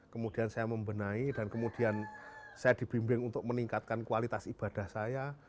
kemudian saya membenahi dan kemudian saya dibimbing untuk meningkatkan kualitas ibadah saya